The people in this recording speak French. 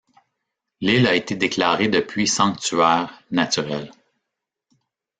L'île a été déclarée depuis sanctuaire naturel.